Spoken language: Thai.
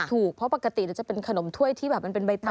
ถูกเพราะปกติจะเป็นขนมถ้วยที่แบบมันเป็นใบเต้ย